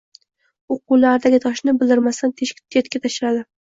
Uqo‘llaridagi toshni bildirmasdan chetga tashlashdi.